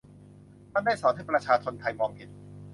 มันได้สอนให้ประชาชนไทยมองเห็น